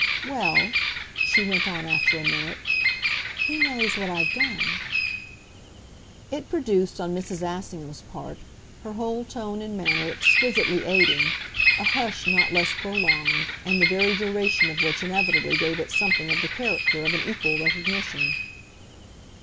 "Well," she went on after a minute, "he knows what I've done." It produced on Mrs. Assingham's part, her whole tone and manner exquisitely aiding, a hush not less prolonged, and the very duration of which inevitably gave it something of the character of an equal recognition.